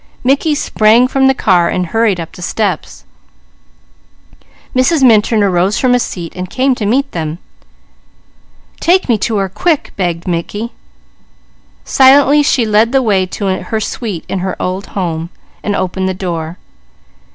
Mickey sprang from the car and hurried up the steps. Mrs. Minturn arose from a seat and came to meet him. "Take me to her quick!" begged Mickey. Silently she led the way to her suite in her old home, and opened the door.